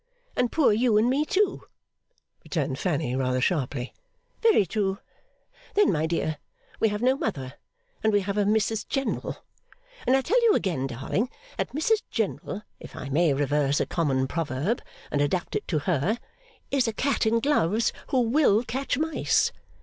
And poor you and me, too,' returned Fanny, rather sharply. 'Very true! Then, my dear, we have no mother, and we have a Mrs General. And I tell you again, darling, that Mrs General, if I may reverse a common proverb and adapt it to her, is a cat in gloves who will catch mice.